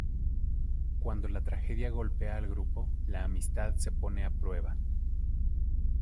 Cuando la tragedia golpea al grupo, la amistad se pone a prueba.